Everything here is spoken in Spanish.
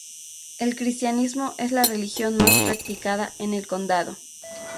El cristianismo es la religión más practicada en el condado.